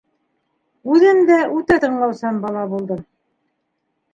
Үҙем дә үтә тыңлаусан бала булдым.